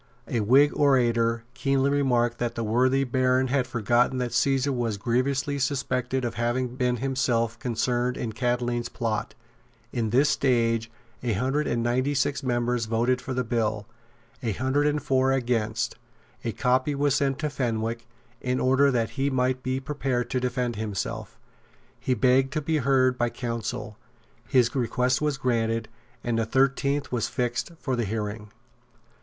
A Whig orator keenly remarked that the worthy Baron had forgotten that Caesar was grievously suspected of having been himself concerned in Catiline's plot. In this stage a hundred and ninety six members voted for the bill, a hundred and four against it. A copy was sent to Fenwick, in order that he might be prepared to defend himself. He begged to be heard by counsel; his request was granted; and the thirteenth was fixed for the hearing.